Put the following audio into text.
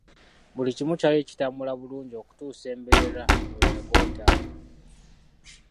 Buli kimu kyali kitambula bulungi okutuusa embeera lwe yagootaana.